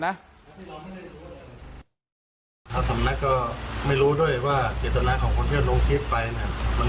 สำนัครก็ไม่รู้ด้วยว่าเกิดตนาของคนเกี่ยวลงคีทไปน่ะ